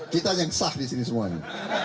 kita yang sah disini semuanya